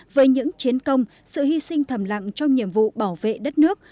với những chiến công sự hy sinh thầm lặng trong nhiệm vụ bảo vệ đất nước